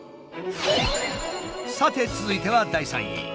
さて続いては第３位。